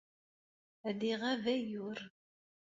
Ad iɣab ayyur.